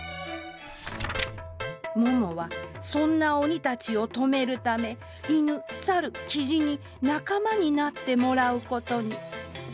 ももはそんな鬼たちを止めるため犬猿キジに仲間になってもらうことに。